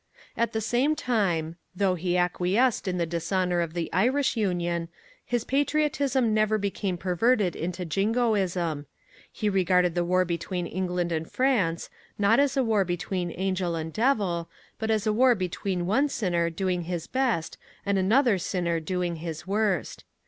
At the same time, though he acquiesced in the dishonour of the Irish Union, his patriotism never became perverted into Jingoism. He regarded the war between England and France, not as a war between angel and devil, but as a war between one sinner doing his best and another sinner doing his worst.